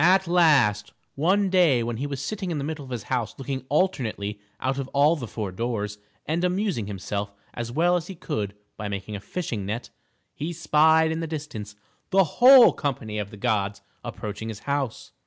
At last, one day when he was sitting in the middle of his house looking alternately out of all the four doors and amusing himself as well as he could by making a fishing net, he spied in the distance the whole company of the gods approaching his house.